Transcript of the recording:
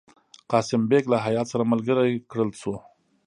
قاسم بیګ له هیات سره ملګری کړل شو.